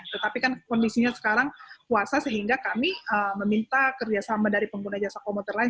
tetapi kan kondisinya sekarang puasa sehingga kami meminta kerjasama dari pengguna jasa komuter lain